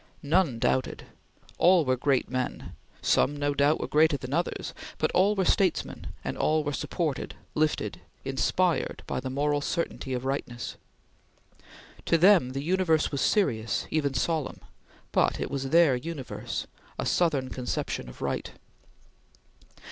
None doubted. All were great men; some, no doubt, were greater than others; but all were statesmen and all were supported, lifted, inspired by the moral certainty of rightness. To them the universe was serious, even solemn, but it was their universe, a Southern conception of right.